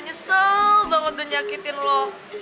nyesel banget udah nyakitin lo